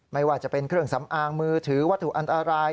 ไม่ว่าจะเป็นเครื่องสำอางมือถือวัตถุอันตราย